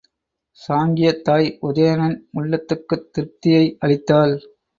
சாங்கியத் தாய் உதயணன் உள்ளத்துக்குத் திருப்தியை அளித்தாள்.